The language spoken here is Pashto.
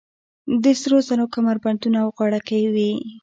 د سرو زرو کمربندونه او غاړکۍ وې